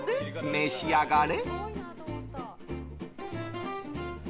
召し上がれ。